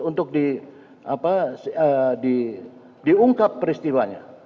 untuk diungkap peristiwanya